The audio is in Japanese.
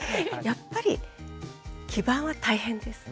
やっぱり基盤は大変です。